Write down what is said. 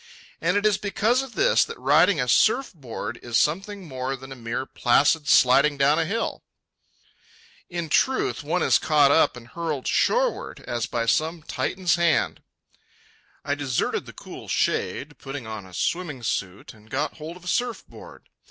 And it is because of this that riding a surf board is something more than a mere placid sliding down a hill. In truth, one is caught up and hurled shoreward as by some Titan's hand. I deserted the cool shade, put on a swimming suit, and got hold of a surf board.